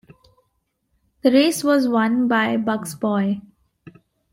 The race was won by Buck's Boy.